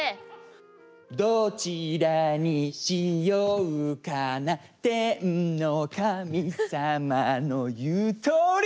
どちらにしようかなてんのかみさまの言うとおり！